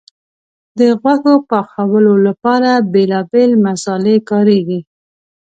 د غوښې پخولو لپاره بیلابیل مسالې کارېږي.